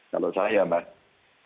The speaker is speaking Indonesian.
kalau saya mas